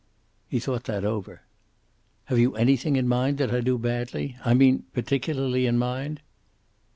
He thought that over. "Have you anything in mind that I do badly? I mean, particularly in mind."